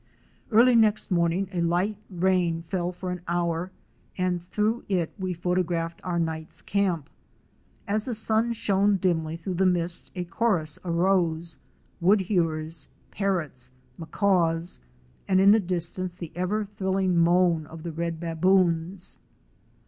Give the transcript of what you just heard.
Early next morning a light rain fell for an hour and through it we photographed our night's camp. As the sun shone dimly through the mist a chorus arose — Woodhewers, Par rots, Macaws and in the distance the ever thrilling moan of the red '' baboons."